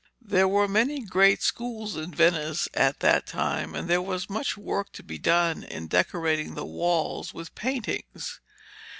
There were many great schools in Venice at that time, and there was much work to be done in decorating their walls with paintings.